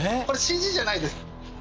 これＣＧじゃないです。